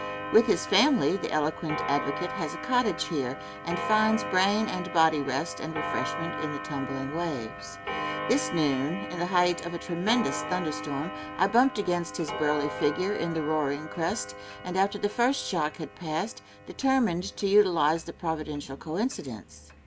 With his family, the eloquent advocate has a cottage here, and finds brain and body rest and refreshment in the tumbling waves. This noon, in the height of a tremendous thunder storm, I bumped against his burly figure in the roaring crest, and, after the first shock had passed, determined to utilize the providential coincidence.